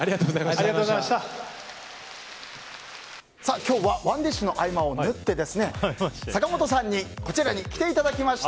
今日はＯｎｅＤｉｓｈの合間を縫って坂本さんにこちらに来ていただきました。